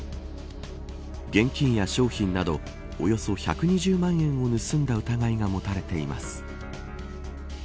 現金や商品などおよそ１２０万円を盗んだ疑いが持たれています。